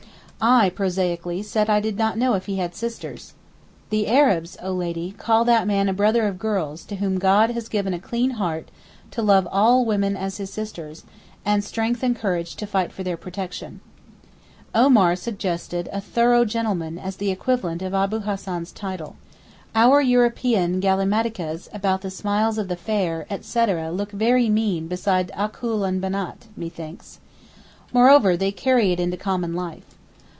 I prosaically said I did not know if he had sisters. 'The Arabs, O lady, call that man a "brother of girls" to whom God has given a clean heart to love all women as his sisters, and strength and courage to fight for their protection.' Omar suggested a 'thorough gentleman' as the equivalent of Abou Hassan's title. Our European galimatias about the 'smiles of the fair,' etc., look very mean beside 'Achul en Benàt,' methinks. Moreover, they carry it into common life.